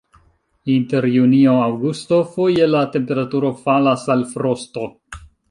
Inter junio-aŭgusto foje la temperaturo falas al frosto.